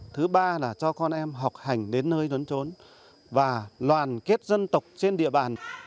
thứ ba là cho con em học hành đến nơi đốn trốn và đoàn kết dân tộc trên địa bàn